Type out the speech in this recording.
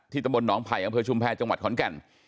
ที่ตะบลหนองไผ่อังเภอชุมแพทย์จังหวัดขอนแก่น